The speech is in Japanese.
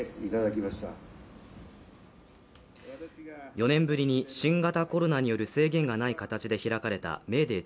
４年ぶりに新型コロナによる制限がない形で開かれたメーデー